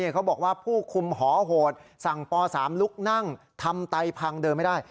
เขาบอกว่าผู้คุมหอโหดสั่งป๓ลุกนั่งทำไตพังเดินไม่ได้